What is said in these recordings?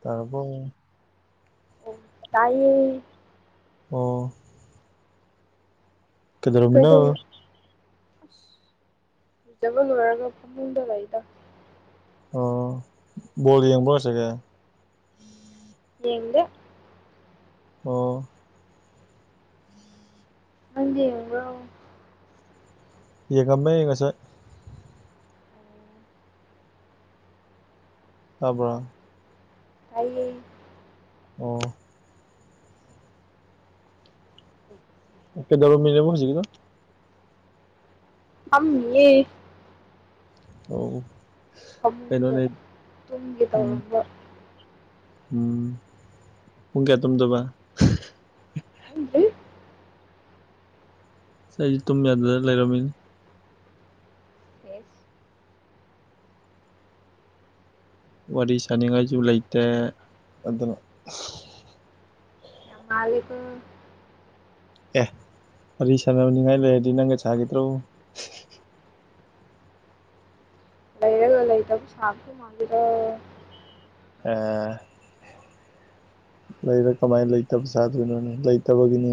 ꯇꯔꯕꯣ ꯇꯥꯏꯌꯦ ꯑꯣ ꯀꯩꯗꯧ ꯀꯩꯗꯧꯔꯝꯃꯤꯅꯣ ꯑꯁ ꯂꯩꯖꯕ ꯂꯣꯏꯔꯒ ꯐꯃꯨꯡꯗ ꯂꯩꯗ ꯑꯣ ꯕꯣꯜ ꯌꯦꯡꯕ꯭ꯔꯣ [unintelligible] ꯌꯦꯡꯗꯦ ꯑꯣ ꯌꯦꯡꯕ꯭ꯔꯣ ꯌꯦꯉꯝꯃꯦ ꯉꯁꯥꯏ ꯇꯕ꯭ꯔꯣ ꯇꯥꯏꯌꯦ ꯑꯣ ꯀꯩꯗꯧꯔꯝꯃꯤꯅꯦꯕ ꯍꯨꯖꯤꯛꯅ ꯑ ꯌꯦ ꯑꯣ ꯐꯃꯨꯡꯗ ꯀꯩꯅꯣꯅꯦ ꯇꯨꯝꯒꯦ ꯎꯝ ꯇꯧꯔꯝꯕ ꯎꯝ ꯄꯨꯡ ꯀꯌꯥ ꯇꯨꯝꯗꯣꯕ ꯈꯪꯗ꯭ꯔꯤ ꯑꯁ ꯑꯩꯁꯦ ꯇꯨꯝ ꯌꯥꯗꯗꯅ ꯂꯩꯔꯝꯃꯤꯅꯤ ꯐꯁ ꯋꯥꯔꯤ ꯁꯅꯤꯡꯉꯥꯏꯁꯨ ꯂꯩꯇꯦ ꯑꯗꯨꯅ ꯌꯥꯝ ꯃꯥꯜꯂꯤꯀꯣ ꯑꯦ ꯋꯥꯔꯤ ꯁꯥꯟꯅꯅꯤꯉꯥꯏ ꯂꯩꯔꯗꯤ ꯅꯪꯒ ꯁꯥꯈꯤꯗ꯭ꯔꯣ ꯂꯩꯔꯒ ꯂꯩꯇꯕ ꯁꯥꯕꯁꯨ ꯃꯥꯜꯂꯤꯗ ꯑ ꯂꯩꯔ ꯀꯃꯥꯏꯅ ꯂꯩꯇꯕ ꯁꯥꯥꯗꯣꯏꯅꯣꯅꯦ ꯂꯩꯇꯕꯒꯤꯅꯤ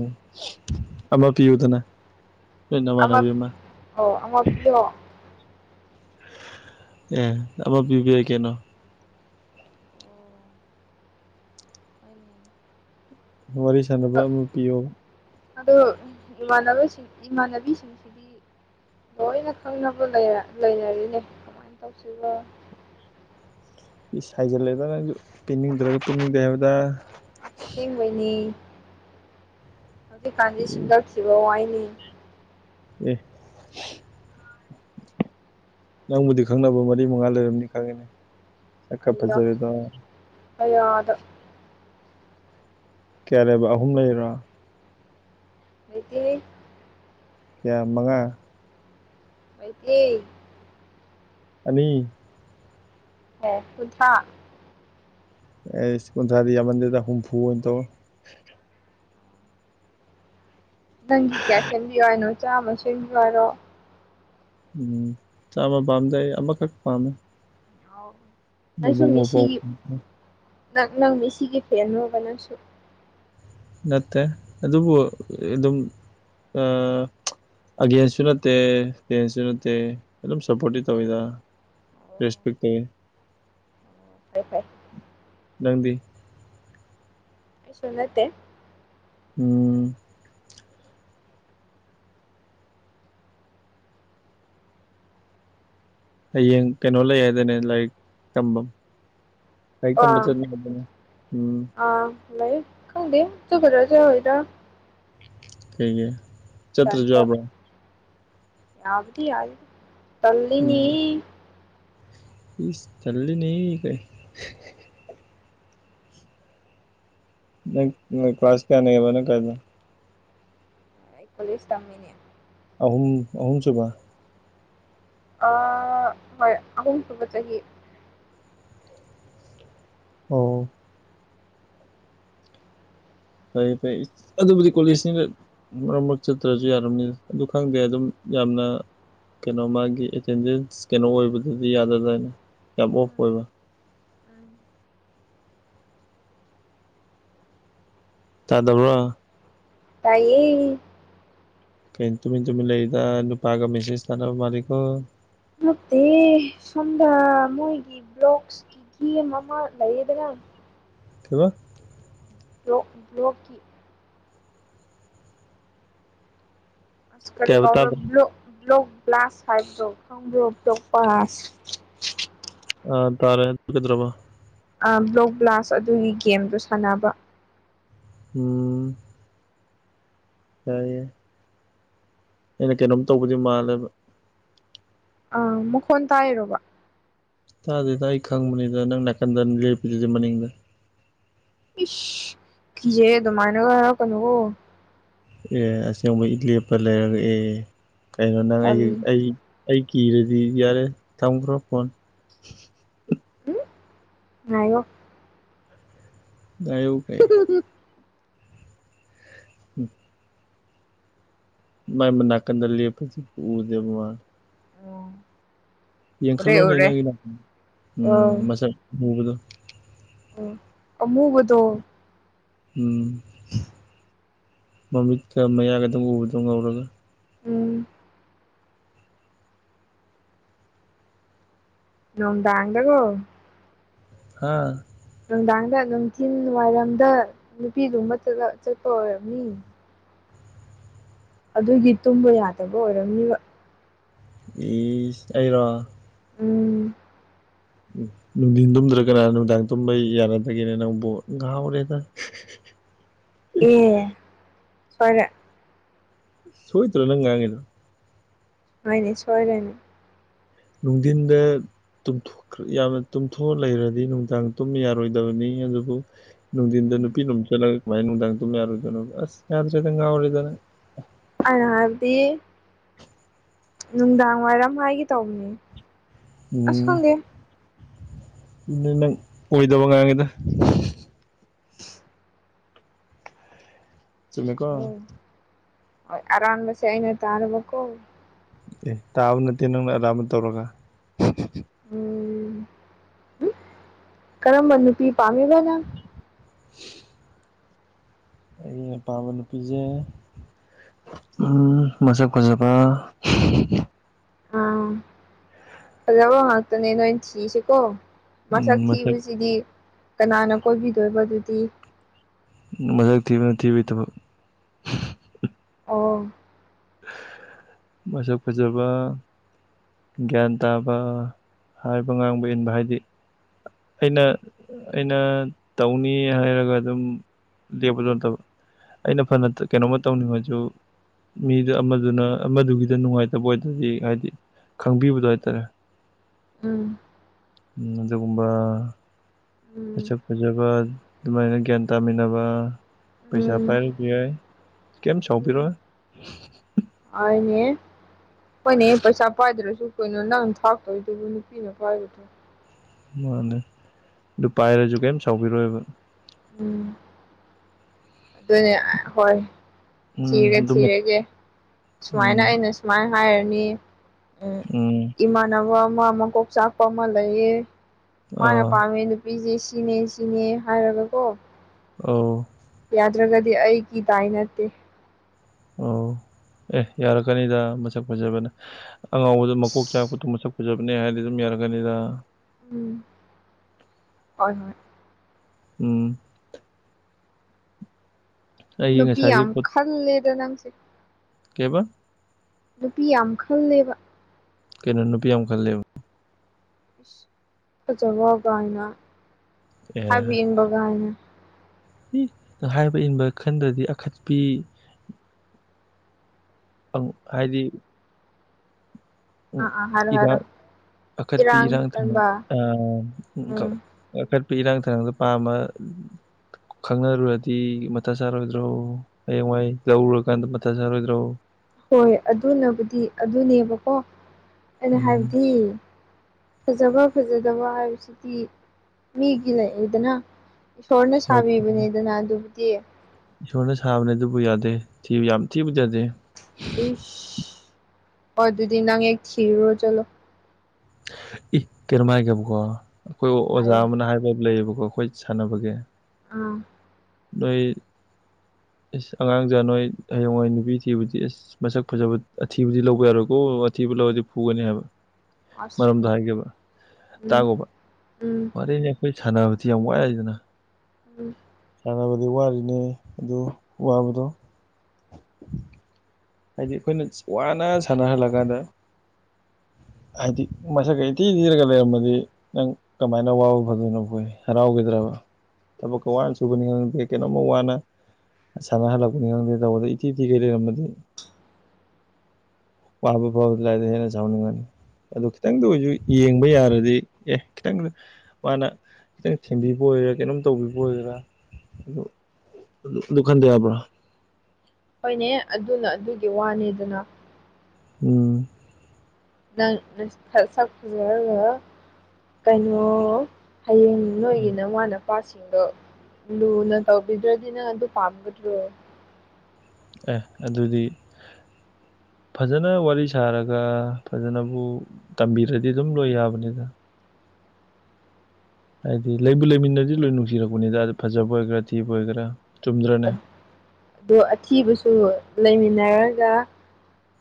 ꯑꯃ ꯄꯤꯌꯨꯗꯅ ꯅꯣꯏ ꯑꯃ ꯅꯃꯥꯟꯅꯕꯤ ꯑꯣ ꯑꯃ ꯄꯤꯌꯣ ꯑꯦ ꯑꯃ ꯄꯤꯕ ꯌꯥꯏ ꯀꯩꯅꯣ ꯋꯥꯔꯤ ꯁꯥꯟꯅꯕ ꯑꯗꯣ ꯑꯃ ꯄꯤꯌꯣ ꯑꯗꯣ ꯏꯃꯅꯕꯁꯤꯡ ꯏꯃꯥꯟꯕꯤꯁꯤꯡꯁꯤ ꯂꯣꯏꯅ ꯈꯪꯅꯕ ꯂꯩꯔꯦ ꯂꯩꯅꯔꯤꯅꯦ ꯀꯃꯥꯏꯅ ꯇꯧꯁꯤꯕꯣ ꯏꯁ ꯍꯥꯏꯖꯤꯜꯂꯦꯗ ꯅꯪꯁꯨ ꯄꯤꯅꯤꯡꯗ꯭ꯔꯒ ꯄꯤꯅꯤꯡꯗꯦ ꯍꯥꯏꯌꯨꯗ ꯑꯁ ꯑꯁꯦꯡꯕꯩꯅꯤ ꯍꯧꯖꯤꯛꯀꯥꯟꯗꯤ ꯑꯦ ꯁꯤꯡꯒꯜ ꯊꯤꯕ ꯋꯥꯏꯅꯤ ꯑꯦ ꯅꯪꯕꯨꯗꯤ ꯈꯪꯅꯕ ꯃꯔꯤ ꯃꯉꯥ ꯂꯩꯔꯝꯅꯤ ꯈꯪꯉꯦꯅꯤ ꯁꯛꯀ ꯑꯌꯥ ꯐꯥꯖꯔꯦꯗꯣ ꯀꯌꯥꯗ ꯀꯌꯥ ꯂꯩꯕ ꯑꯍꯨꯝ ꯂꯩꯔꯥ ꯂꯩꯇꯦꯍꯦ ꯀꯌꯥ ꯃꯉꯥ ꯂꯩꯇꯦ ꯑꯅꯤ ꯑꯦ ꯀꯨꯟꯊ꯭ꯔꯥ ꯑꯩꯁ ꯀꯨꯟꯊ꯭ꯔꯥꯗꯤ ꯌꯥꯝꯃꯟꯗꯦꯗ ꯍꯨꯝꯐꯨ ꯑꯣꯏꯅ ꯇꯧꯔꯣ ꯅꯪꯒꯤ ꯀꯌꯥ ꯁꯦꯝꯕꯤꯌꯣ ꯍꯥꯏꯅꯣ ꯆꯥꯝꯃ ꯁꯦꯝꯕꯤꯌꯨ ꯍꯥꯏꯔꯣ ꯎꯝ ꯆꯥꯝꯃ ꯄꯥꯝꯗꯦ ꯑꯩ ꯑꯃꯈꯛ ꯄꯥꯝꯃꯦ ꯑꯧ ꯅꯪꯁꯨ ꯃꯕꯨꯛ ꯃꯄꯥꯎ ꯃꯤꯁꯤꯒꯤ ꯅꯪ ꯅꯪ ꯃꯤꯁꯤꯒꯤ ꯐꯦꯟꯔꯣꯕ ꯅꯪꯁꯨ ꯅꯠꯇꯦ ꯑꯗꯨꯕꯨ ꯑꯗꯨꯝ ꯑꯥ ꯑꯒꯦꯟꯁꯁꯨ ꯅꯠꯇꯦ ꯐꯦꯟꯁꯨ ꯅꯠꯇꯦ ꯑꯗꯨꯝ ꯁꯞꯄꯣꯔꯠꯇꯤ ꯇꯧꯋꯤꯗ ꯔꯦꯁꯄꯛꯇꯦ ꯐꯩ ꯐꯩ ꯂꯪꯗꯤ ꯑꯩꯁꯨ ꯅꯠꯇꯦ ꯎꯝ ꯍꯌꯦꯡ ꯀꯩꯅꯣ ꯂꯩ ꯍꯥꯏꯗꯥꯏꯅꯦ ꯂꯥꯏꯔꯤꯛ ꯇꯝꯕꯝ ꯂꯥꯏꯔꯤꯛ ꯇꯝꯕ ꯑꯥ ꯆꯠꯅꯤ ꯍꯥꯌꯗꯥꯏꯅꯦ ꯎꯝ ꯑꯥ ꯂꯩ ꯈꯪꯗꯦ [unintelligible] ꯀꯩꯒꯤ ꯆꯠꯇ꯭ꯔꯖꯨ ꯌꯥꯕ꯭ꯔꯣ ꯌꯥꯕꯗꯤ ꯌꯥꯏ ꯎꯝ ꯇꯜꯂꯦꯅꯤ ꯏꯁ ꯇꯜꯂꯦꯅꯤ ꯀꯥꯏ ꯅꯪ [inaudible] ꯀ꯭ꯂꯥꯁ ꯀꯌꯥꯅꯦꯕ ꯅꯪ ꯀꯥꯏꯗꯣ ꯑꯩ ꯀꯣꯂꯦꯁ ꯇꯝꯃꯤꯅꯤ ꯑꯍꯨꯝ ꯑꯍꯨꯝꯁꯨꯕ ꯑꯥ ꯍꯣꯏ ꯑꯍꯨꯝ ꯁꯨꯕ ꯆꯍꯤ ꯑꯣ ꯐꯩ ꯐꯩ ꯑꯗꯨꯕꯨꯗꯤ ꯀꯣꯂꯦꯁꯅꯤꯅ ꯃꯔꯛꯃꯛ ꯆꯠꯇ꯭ꯔꯖꯨ ꯌꯥꯔꯝꯅꯤꯗ ꯑꯗꯨ ꯈꯪꯗꯦ ꯑꯗꯨꯝ ꯌꯥꯝꯅ ꯀꯩꯅꯣ ꯃꯥꯒꯤ ꯑꯦꯇꯦꯟꯗꯦꯟꯁ ꯀꯩꯅꯣ ꯑꯣꯏꯕꯗꯗꯤ ꯌꯥꯗꯗꯥꯏꯅꯦ ꯌꯥꯝ ꯑꯣꯐ ꯎꯝ ꯑꯣꯏꯕ ꯎꯝ ꯇꯥꯗꯕ꯭ꯔꯣ ꯇꯥꯏꯌꯦ ꯀꯩꯅꯣ ꯇꯨꯃꯤꯟ ꯇꯨꯃꯤꯟ ꯂꯩꯗ ꯅꯨꯄꯥꯒ ꯃꯦꯁꯦꯁ ꯊꯥꯅꯕ ꯃꯥꯂꯤꯀꯣ ꯅꯠꯇꯦ ꯁꯣꯝꯗ ꯃꯣꯏꯒꯤ ꯕ꯭ꯂꯣꯛꯁꯀꯤ ꯒꯦꯝ ꯑꯃ ꯂꯩꯌꯦꯗ꯭ꯅꯥ ꯀꯩꯕ ꯭ꯂꯣ ꯕ꯭ꯂꯣꯛꯀꯤ [inaudible] ꯑꯁ ꯀꯩ ꯀꯔꯤ ꯍꯥꯏꯕ ꯀꯧꯕꯔꯥ ꯇꯥꯗ꯭ꯔꯦ ꯕꯂꯣ꯭ꯛ ꯕꯂꯣ꯭ꯛ ꯕꯂꯥꯁ ꯍꯥꯏꯕꯔꯣ ꯈꯪꯕ꯭ꯔꯣ ꯕꯂꯣ꯭ꯛ ꯕꯥꯁ ꯑ ꯇꯥꯔꯦ ꯑꯗꯨ ꯀꯩꯗꯧꯔꯕ ꯑ ꯕ꯭ꯂꯣꯛ ꯕ꯭ꯂꯥꯁ ꯑꯗꯨꯒꯤ ꯒꯦꯝꯗꯣ ꯁꯥꯟꯅꯕ ꯎꯝ ꯇꯥꯏꯌꯦ ꯑꯩꯅ ꯀꯩꯅꯣꯝ ꯇꯧꯕꯗꯤ ꯃꯥꯜꯂꯦꯕ ꯑꯥ ꯃꯈꯣꯟ ꯇꯥꯏꯔꯣꯕ ꯇꯥꯗꯦꯗ ꯑꯩ ꯈꯪꯕꯅꯤꯗ ꯅꯪ ꯅꯥꯀꯟꯗ ꯎꯝ ꯂꯦꯞꯄꯤꯖꯤꯗꯤ ꯃꯅꯤꯡꯗ ꯏꯁ ꯀꯤꯖꯩꯌꯦ ꯑꯗꯨꯃꯥꯏꯅꯒ ꯍꯥꯏꯔꯛꯀꯅꯣ ꯑꯦ ꯑꯁꯦꯡꯕ ꯏ ꯂꯦꯞꯄ ꯂꯩꯔꯒ ꯑꯦ ꯀꯩꯅꯣ ꯅꯪ ꯑꯩ ꯇꯜꯂꯤ ꯑꯩ ꯑꯩ ꯀꯤꯔꯗꯤ ꯌꯥꯔꯦ ꯊꯝꯈ꯭ꯔꯣ ꯐꯣꯟ ꯎꯝ ꯉꯥꯏꯌꯣ ꯉꯥꯏꯌꯣ ꯀꯥꯏ ꯍꯝ ꯍꯝ ꯎꯝ ꯃꯥꯏ ꯃꯅꯥꯀꯟꯗ ꯂꯦꯞꯄꯖꯦ ꯎꯗꯕꯩ ꯋꯥꯅꯦ ꯎꯔꯦ ꯌꯦꯡꯈꯠꯂꯣꯅꯦ ꯎꯔꯦ ꯅꯪꯒꯤ ꯅ ꯑꯣ ꯎꯝ ꯃꯁꯛ ꯎꯕꯗꯣ ꯑꯣ ꯑꯃꯨꯕꯗꯣ ꯎꯝ [unintelligible] ꯃꯃꯤꯠꯀ ꯃꯌꯥꯒꯗꯣ ꯎꯕꯗꯣ ꯉꯧꯔꯒ ꯎꯝ ꯅꯣꯡꯗꯥꯥꯡꯗꯒꯣ ꯍꯥꯥ ꯅꯨꯡꯗꯥꯡꯗ ꯅꯨꯡꯊꯤꯟ ꯋꯥꯏꯔꯝꯗ ꯅꯨꯄꯤ ꯂꯨꯝꯕ ꯆꯠꯂ ꯆꯠꯄ ꯑꯣꯏꯔꯝꯃꯤ ꯑꯗꯨꯒꯤ ꯇꯨꯝꯕ ꯌꯥꯗꯕ ꯑꯣꯏꯔꯝꯅꯤꯕ ꯏꯁ ꯑꯩꯔꯣ ꯎꯝ ꯎ ꯅꯨꯡꯊꯤꯟ ꯇꯨꯝꯗ꯭ꯔ ꯀꯅꯥꯅ ꯅꯨꯃꯤꯗꯥꯡ ꯇꯨꯝꯕ ꯌꯥꯅꯗꯒꯦꯅꯦ ꯅꯪꯕꯣ ꯉꯥꯎꯔꯦꯗ ꯑꯦ ꯁꯣꯏꯔꯦ ꯁꯣꯏꯇ꯭ꯔꯣ ꯅꯪ ꯉꯥꯡꯉꯤꯗꯣ ꯍꯣꯏꯅꯦ ꯁꯣꯏꯔꯦꯅꯦ ꯅꯨꯡꯗꯤꯟꯗ ꯇꯨꯝꯊꯣꯛꯈꯔ ꯌꯥꯝꯅ ꯇꯨꯝꯊꯣꯛꯑ ꯂꯩꯔꯗꯤ ꯅꯨꯡꯗꯥꯡ ꯇꯨꯝ ꯌꯥꯔꯣꯏꯗꯕꯅꯤ ꯑꯗꯨꯕꯨ ꯅꯨꯡꯗꯤꯟꯗ ꯎꯝ ꯅꯨꯄꯤ ꯂꯨꯝ ꯆꯠꯂꯒ ꯀꯃꯥꯏꯅ ꯅꯨꯡꯗꯥꯡ ꯇꯨꯝ ꯌꯥꯔꯣꯏꯗꯣꯏꯅꯣꯕ ꯑꯁ ꯌꯥꯗ꯭ꯔꯦꯗ ꯉꯥꯎꯔꯦꯗ ꯅꯪ ꯑꯩ ꯅ ꯍꯥꯏꯕꯗꯤ ꯅꯨꯡꯗꯥꯡ ꯋꯥꯏꯔꯝ ꯍꯥꯏꯒꯦ ꯇꯧꯕꯅꯦ ꯑꯁ ꯎꯝ ꯈꯪꯗꯦ ꯑꯗꯤ ꯅꯪ ꯑꯣꯏꯗꯕ ꯉꯥꯡꯉꯤꯗ ꯆꯨꯝꯃꯦꯀꯣ ꯑꯣꯏ ꯑꯔꯥꯟꯕꯁꯦ ꯑꯩꯅ ꯇꯥꯔꯕꯀꯣ ꯑꯦ ꯇꯥꯕ ꯅꯠꯇꯦ ꯅꯪꯅ ꯑꯔꯥꯟꯕ ꯇꯧꯔꯒ ꯎꯝ ꯀꯔꯝꯕ ꯅꯨꯄꯤ ꯄꯥꯝꯃꯤꯕ ꯅꯪ [unintelligible] ꯑꯩ ꯑꯄꯥꯕ ꯅꯨꯄꯤꯁꯦ ꯎꯝ ꯃꯁꯛ ꯐꯖꯕ ꯑꯥ ꯐꯖꯕ ꯉꯥꯛꯇꯅꯦ ꯅꯣꯏ ꯊꯤꯔꯤꯁꯤꯀꯣ ꯃꯁꯛ ꯊꯤꯕꯁꯤꯗꯤ ꯀꯅꯥꯅ ꯀꯣꯏꯕꯤꯗꯣꯏꯕ ꯑꯗꯨꯗꯤ ꯃꯁꯛ ꯊꯤꯕꯅ ꯊꯤꯕꯒꯤ ꯊꯕꯛ ꯑꯣ ꯃꯁꯛ ꯐꯖꯕ ꯒ꯭ꯌꯥꯟ ꯇꯥꯕ ꯍꯥꯏꯕ ꯉꯥꯡꯕ ꯏꯟꯕ ꯍꯥꯏꯗꯤ ꯑꯩꯅ ꯑꯩꯅ ꯇꯧꯅꯤ ꯍꯥꯏꯔꯒ ꯑꯗꯨꯝ ꯂꯦꯞꯄꯗꯣ ꯅꯠꯇꯕ ꯑꯩꯅ ꯐꯅ ꯀꯩꯅꯣꯃ ꯇꯧꯅꯤꯡꯉꯁꯨ ꯃꯤꯗꯨ ꯑꯃꯗꯨꯅ ꯑꯃꯗꯨꯒꯤꯗ ꯅꯨꯡꯉꯥꯏꯇꯕ ꯑꯣꯏꯗꯗꯤ ꯍꯥꯏꯗꯤ ꯈꯪꯕꯤꯕꯗꯣ ꯍꯥꯏ ꯇꯥꯔꯦ ꯎꯝ ꯑꯗꯨꯒꯨꯝꯕ ꯎꯝ ꯃꯁꯛ ꯐꯖꯕ ꯑꯗꯨꯃꯥꯏꯅ ꯒ꯭ꯌꯥꯟ ꯇꯥꯃꯤꯟꯅꯕ ꯄꯩꯁꯥ ꯎꯝ ꯄꯥꯏꯔꯁꯨ ꯌꯥꯏ ꯀꯩꯝ ꯎꯝ ꯁꯥꯎꯕꯤꯔꯣꯏ ꯍꯣꯏꯅꯦ ꯄꯩꯅꯦ ꯄꯩꯁꯥ ꯄꯥꯏꯗ꯭ꯔꯁꯨ ꯀꯩꯅꯣ ꯅꯪ ꯊꯥꯛꯇꯣꯏꯗꯨꯕꯨ ꯅꯨꯄꯤꯅ ꯄꯥꯏꯕꯗꯣ ꯃꯥꯅꯦ ꯑꯗꯨ ꯄꯥꯏꯔꯁꯨ ꯀꯩꯝ ꯁꯥꯎꯕꯤꯔꯣꯏꯕ ꯎꯝ ꯑꯗꯨꯅꯦ ꯍꯣꯏ ꯎꯝ ꯊꯤꯔꯦ ꯑꯗꯨꯃ ꯊꯤꯔꯒꯦ ꯁꯨꯃꯥꯏꯅ ꯎꯝ ꯑꯩꯅ ꯁꯨꯃꯥꯏꯅ ꯍꯥꯏꯔꯅꯤ ꯎꯝ ꯏꯃꯥ ꯅꯋꯥ ꯑꯃ ꯃꯀꯣꯛ ꯆꯥꯛꯄ ꯑꯃ ꯂꯩꯌꯦ ꯃꯥꯅ ꯑꯥ ꯄꯥꯝꯃꯤ ꯅꯨꯞ ꯄꯤꯁꯦ ꯁꯤꯅꯦ ꯁꯤꯅꯦ ꯍꯥꯏꯔꯒꯀꯣ ꯑꯧ ꯌꯥꯗ꯭ꯔꯒꯗꯤ ꯑꯩꯒꯤ ꯗꯥꯏ ꯅꯠꯇꯦ ꯑꯣ ꯑꯦ ꯌꯥꯔꯛꯀꯅꯤꯗ ꯃꯁꯛ ꯐꯖꯕꯅ ꯑꯉꯥꯎꯕꯗ ꯃꯀꯣꯛ ꯏꯁ ꯆꯥꯛꯄꯗꯣ ꯃꯁꯛ ꯐꯖꯕꯅꯦ ꯍꯥꯏꯔꯗꯤ ꯗꯨꯝ ꯌꯥꯔꯛꯀꯅꯤꯗ ꯎꯝ ꯍꯣꯏ ꯍꯣꯏ ꯎꯝ ꯑꯩꯒꯤ ꯅꯨꯄꯤ ꯉꯁꯥꯏꯒꯤ ꯌꯥꯝ ꯄꯣꯠ ꯈꯜꯂꯦꯗ ꯅꯪꯁꯦ ꯀꯩꯕ ꯅꯨꯄꯤ ꯌꯥꯝ ꯈꯜꯂꯦꯕ ꯀꯩꯅꯣ ꯅꯨꯄꯤ ꯌꯥꯝ ꯈꯜꯂꯦꯕ ꯐꯖꯕ ꯒꯥꯏꯅ ꯑꯦ ꯍꯥꯏꯕ ꯏꯟꯕ ꯒꯥꯏꯅ ꯏ ꯍꯥꯏꯕ ꯏꯟꯕ ꯈꯟꯗ꯭ꯔꯗꯤ ꯑꯈꯠꯄꯤ ꯑꯪ ꯍꯥꯏꯗꯤ ꯎꯝ ꯑꯥ ꯑꯥ ꯍꯥꯏꯔꯣ ꯍꯥꯏꯔꯣ ꯏꯔꯥꯛ ꯑꯈꯠꯄꯤ ꯏꯔꯥꯡ ꯇꯧ ꯑ ꯎꯝ ꯑꯈꯠꯄꯤ ꯏꯔꯥꯡ ꯊꯥꯡꯕꯗ ꯄꯥꯝꯃ ꯈꯪꯅꯔꯨꯔꯗꯤ ꯃꯊꯥ ꯁꯥꯔꯣꯏꯗ꯭ꯔꯣ ꯍꯌꯦꯡꯋꯥꯏ ꯂꯧꯔꯨꯔꯀꯥꯟꯗ ꯃꯊꯥ ꯁꯥꯔꯣꯏꯗ꯭ꯔꯣ ꯍꯣꯏ ꯑꯗꯨꯅꯕꯨꯗꯤ ꯑꯗꯨꯅꯦꯕꯀꯣ ꯑꯩꯅ ꯎꯝ ꯍꯥꯏꯕꯗꯤ ꯐꯖꯕ ꯐꯖꯗꯕ ꯍꯥꯏꯕꯁꯤꯗꯤ ꯃꯤꯒꯤ ꯂꯩꯗꯅ ꯏꯁꯣꯔꯅ ꯍꯣꯏ ꯁꯥꯕꯤꯕꯅꯤꯗꯅ ꯑꯗꯨꯗꯤ ꯏꯁꯣꯔꯅ ꯁꯥꯕꯅꯦ ꯑꯗꯨꯕꯨ ꯌꯥꯗꯦ ꯊꯤꯕ ꯌꯥꯝ ꯊꯤꯕꯗꯤ ꯌꯥꯗꯦ ꯏꯁ ꯑꯗꯨꯗꯤ ꯅꯪ ꯍꯦꯛ ꯊꯤꯔꯨꯔꯣ ꯆꯠꯂꯣ ꯏ ꯀꯩꯅꯣꯝ ꯍꯥꯏꯒꯦꯕꯀꯣ ꯑꯩꯈꯣꯏ ꯑꯣꯖꯥ ꯍꯥꯏꯌꯣ ꯑꯃꯅ ꯍꯥꯏꯕꯝ ꯂꯩꯌꯦꯕꯀꯣ ꯑꯩꯈꯣꯏ ꯁꯥꯟꯅꯕꯒꯤ ꯎꯝ ꯅꯣꯢ ꯏꯁ ꯑꯉꯥꯡꯖꯥ ꯅꯣꯏ ꯍꯌꯦꯡꯋꯥꯏ ꯅꯨꯄꯤ ꯊꯤꯕꯗꯤ ꯏꯁ ꯃꯁꯛ ꯐꯖꯕ ꯑꯊꯤꯕꯗꯤ ꯂꯧꯕ ꯌꯥꯔꯣꯏꯀꯣ ꯑꯊꯤꯕ ꯂꯧꯔꯗꯤ ꯐꯨꯒꯅꯤ ꯍꯥꯏꯕ ꯑꯁ ꯃꯔꯝꯗꯣ ꯍꯥꯏꯒꯦꯕ ꯎꯝ ꯇꯥꯒꯣꯕ ꯎꯝ ꯋꯥꯔꯤꯅꯤ ꯈꯣꯏ ꯁꯥꯟꯅꯕꯗꯤ ꯌꯥꯝ ꯋꯥꯏꯗꯅ ꯎꯝ ꯁꯥꯟꯅꯕꯗꯤ ꯋꯥꯔꯤꯅꯦ ꯑꯗꯨ ꯋꯥꯕꯗꯣ ꯍꯥꯏꯗꯤ ꯑꯩꯈꯣꯏꯅ ꯋꯥꯅ ꯁꯥꯟꯅ ꯍꯜꯂꯀꯥꯟꯗ ꯍꯥꯏꯗꯤ ꯃꯁꯛꯀ ꯏꯊꯤ ꯊꯤꯔꯒ ꯂꯩꯔꯝꯃꯗꯤ ꯅꯪ ꯀꯃꯥꯏꯅ ꯋꯥꯕ ꯐꯗꯣꯏꯅꯣ ꯑꯈꯣꯏ ꯍꯔꯥꯎꯒꯤꯗ꯭ꯔꯕ ꯊꯕꯛꯀ ꯋꯥꯅ ꯁꯨꯕꯅꯤ ꯀꯦ ꯀꯩꯅꯣꯝꯃ ꯋꯥꯅ ꯁꯥꯟꯅ ꯍꯜꯂꯛꯄꯅꯤ ꯈꯪꯗꯦ ꯇꯧꯕꯗ ꯏꯊꯤ ꯊꯤꯒꯩ ꯂꯩꯔꯝꯃꯗꯤ ꯋꯥꯕ ꯐꯥꯕꯗꯤ ꯂꯥꯏꯗꯅ ꯍꯦꯟꯅ ꯁꯥꯎꯅꯤꯡꯉꯅꯤ ꯑꯗꯣ ꯈꯤꯇꯪꯗ ꯑꯣꯏꯖꯨ ꯌꯦꯡꯕ ꯌꯥꯔꯗꯤ ꯑꯦ ꯈꯤꯇꯪ ꯃꯥꯅ ꯈꯤꯇꯪ ꯊꯦꯝꯕꯤꯕ ꯑꯣꯏꯒꯦꯔꯥ ꯀꯩꯅꯣꯝ ꯇꯧꯕꯤꯕ ꯑꯣꯏꯒꯦꯔꯥ ꯑꯗꯨ ꯑꯗꯨ ꯑꯗꯨ ꯈꯟꯗ ꯌꯥꯕ꯭ꯔꯣ ꯍꯣꯏꯅꯦ ꯑꯗꯨꯅ ꯑꯗꯨꯒꯤ ꯋꯥꯅꯤꯗꯅ ꯎꯝ ꯅꯪ ꯁꯛ ꯐꯖꯔꯒ ꯀꯩꯅꯣ ꯍꯌꯦꯡ ꯅꯣꯏꯒꯤ ꯅꯃꯥꯅ ꯄꯥꯁꯤꯡꯗꯣ ꯂꯨꯅ ꯇꯧꯕꯤꯗ꯭ꯔꯗꯤ ꯅꯪ ꯑꯗꯨ ꯄꯥꯝꯒꯗ꯭ꯔꯣ ꯑꯦ ꯑꯗꯨꯗꯤ ꯐꯖꯅ ꯋꯥꯔꯤ ꯁꯥꯔꯒ ꯐꯖꯅꯕꯨ ꯇꯝꯕꯤꯔꯗꯤ ꯑꯗꯨꯝ ꯂꯣꯏ ꯌꯥꯕꯅꯤꯗ ꯍꯥꯏꯗꯤ ꯂꯩꯕꯨ ꯂꯩꯃꯤꯟꯅꯔꯗꯤ ꯂꯣꯏ ꯅꯨꯡꯁꯤꯔꯛꯄꯅꯤꯗ ꯐꯖꯕ ꯑꯣꯏꯒꯦꯔꯥ ꯊꯤꯕ ꯑꯣꯏꯒꯦꯔꯥ ꯆꯨꯝꯗ꯭ꯔꯅꯦ ꯑꯗꯣ ꯑꯊꯤꯕꯁꯨ ꯂꯩꯃꯤꯟꯅꯔꯒ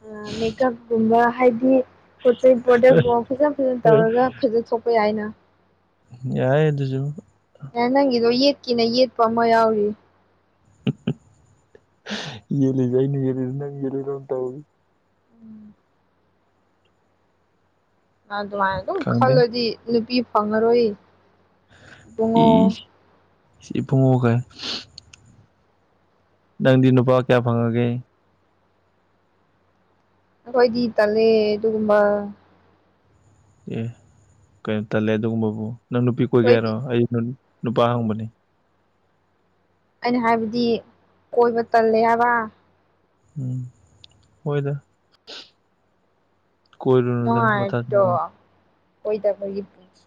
ꯑꯥ ꯃꯦꯀꯞꯀꯨꯝꯕ ꯍꯥꯏꯗꯤ ꯄꯣꯠ ꯆꯩ ꯄ꯭ꯔꯣꯗꯛꯄꯥꯎ ꯐꯖꯅ ꯐꯖꯅ ꯇꯧꯔꯒ ꯐꯖꯊꯣꯛꯄ ꯌꯥꯏꯅ ꯌꯥꯏ ꯑꯗꯨꯖꯨ ꯑꯦ ꯅꯪꯒꯤꯗꯣ ꯌꯦꯠꯀꯦꯅ ꯌꯦꯠꯄ ꯑꯃ ꯌꯥꯎꯔꯤ ꯌꯦꯠꯂꯤꯖꯦ ꯑꯩꯅ ꯌꯦꯠꯂꯤꯔ ꯅꯪꯅ ꯌꯦꯠꯂꯤꯔ ꯑꯝ ꯇꯧꯔꯤ ꯑꯗꯨꯃꯥꯏ ꯑꯗꯨꯝ ꯈꯪꯗꯦ ꯈꯜꯂꯗꯤ ꯅꯨꯄꯤ ꯐꯪꯉꯔꯣꯏ ꯏ ꯏꯕꯨꯡꯉꯣ ꯏꯕꯨꯡꯉꯣ ꯀꯥꯏ ꯅꯪꯗꯤ ꯅꯨꯄꯥ ꯀꯌꯥ ꯐꯪꯉꯒꯦ ꯑꯈꯣꯏꯗꯤ ꯇꯜꯂꯦ ꯑꯗꯨꯒꯨꯝꯕ ꯑꯦ ꯀꯩꯅꯣ ꯇꯜꯂꯦ ꯑꯗꯨꯒꯨꯝꯕꯕꯨ ꯅꯪ ꯅꯨꯄꯤ ꯀꯣꯏꯒꯦ ꯍꯥꯏꯔꯣ ꯑꯩꯈꯣꯏꯗꯤ ꯑꯩ ꯅꯨ-ꯅꯨꯄꯥ ꯍꯪꯕꯅꯤ ꯑꯩꯅ ꯍꯥꯏꯕꯗꯤ ꯀꯣꯏꯕ ꯇꯜꯂꯦ ꯍꯥꯏꯕ ꯎꯝ ꯍꯣꯏꯗ ꯀꯣꯏꯔꯨꯅꯨꯗ ꯃꯊꯥ ꯅꯨꯡꯉꯥꯏꯇ꯭ꯔꯣ ꯁꯥꯅ ꯀꯣꯏꯗꯕꯒꯤ ꯄꯨꯟꯁꯤ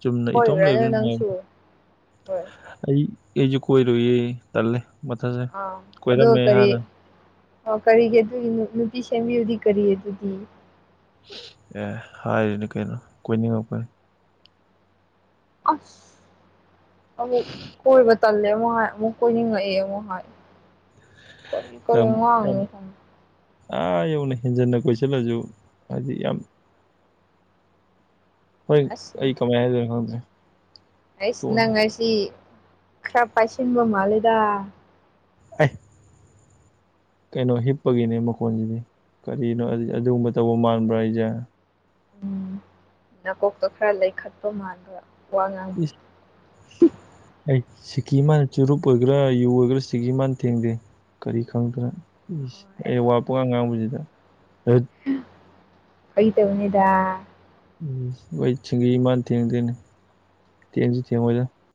ꯆꯨꯝꯅ ꯏꯇꯣꯝ ꯀꯣꯏꯔꯨꯔꯅꯨ ꯂꯩꯕꯅ ꯅꯪꯁꯨ ꯅꯨꯡꯉꯥꯏ ꯍꯣꯏ ꯑꯩ ꯑꯩꯖꯨ ꯀꯣꯏꯔꯣꯏꯌꯦ ꯇꯜꯂꯦ ꯃꯊꯥ ꯁꯥꯏ ꯑꯥ ꯑꯗꯨ ꯀꯣꯏꯔꯝꯃꯦ ꯀꯔꯤ ꯍꯥꯟꯅ ꯑꯣ ꯀꯔꯤꯒꯤ ꯑꯗꯨꯒꯤ ꯅꯨ-ꯅꯨꯄꯤ ꯁꯦꯝꯕꯤꯌꯨꯗꯤ ꯀꯔꯤ ꯑꯗꯨꯗꯤ ꯑꯦ ꯍꯥꯏꯔꯤꯅꯦ ꯀꯩꯅꯣ ꯀꯣꯏꯅꯤꯡꯉꯛꯄꯩ ꯑꯁ ꯑꯃꯨꯛ ꯀꯣꯏꯕ ꯇꯜꯂꯦ ꯑꯃꯨꯛ ꯍꯥꯏ ꯑꯃꯨꯛ ꯀꯣꯏꯅꯤꯡꯉꯛꯑꯦ ꯑꯃꯨꯛ ꯍꯥꯏ ꯀꯔꯤ ꯀꯔꯤ ꯌꯥꯝ ꯌꯥꯝ ꯉꯥꯡꯉꯤꯅꯣ ꯈꯪ ꯑꯥ ꯌꯧꯅ ꯍꯦꯟꯖꯟꯅ ꯀꯣꯏꯁꯤꯜꯂꯖꯨ ꯍꯥꯏꯗꯤ ꯌꯥꯝ ꯍꯣꯏ ꯑꯁ ꯑꯩ ꯀꯃꯥꯏ ꯍꯥꯏꯗꯣꯏꯅꯣ ꯈꯪꯗ꯭ꯔꯦ ꯑꯩꯁ ꯅꯪ ꯇꯣꯛꯑꯁꯤ ꯉꯁꯤ ꯈꯔ ꯄꯥꯏꯁꯤꯟꯕ ꯃꯥꯜꯂꯦꯗ ꯑꯦ ꯀꯩꯅꯣ ꯍꯤꯞꯄꯒꯤꯅꯦ ꯃꯈꯣꯟꯁꯤꯗꯤ ꯀꯔꯤꯅꯣ ꯑꯗꯨ ꯑꯗꯨꯒꯨꯝꯕ ꯇꯧꯕ ꯃꯥꯟꯕ꯭ꯔꯣ ꯑꯩꯁꯦ ꯅꯥꯀꯣꯛꯇꯣ ꯈꯔ ꯂꯩꯈꯠꯄ ꯃꯥꯟꯕ ꯋꯥ ꯉꯥꯡ ꯏꯁ ꯑꯩ ꯁꯤꯒꯤ ꯃꯥꯅ ꯆꯨꯔꯨꯞ ꯑꯣꯏꯒꯦꯔꯥ ꯌꯨ ꯑꯣꯏꯒꯦꯔꯥ ꯁꯤꯒꯤ ꯃꯥꯅ ꯊꯦꯡꯗꯦ ꯀꯔꯤ ꯈꯪꯗꯅ ꯏꯁ ꯍꯣꯏ ꯑꯩ ꯋꯥ ꯄꯪꯉꯥꯡ ꯉꯥꯡꯕꯁꯤꯗ ꯐꯥꯒꯤ‌ ꯇꯧꯕꯅꯤꯗꯥ ꯎꯝ ꯍꯣꯏ ꯁꯤꯡꯏ ꯃꯅ ꯊꯦꯡꯗꯦꯅꯦ ꯊꯦꯡꯁꯨ ꯊꯦꯡꯉꯣꯏꯗ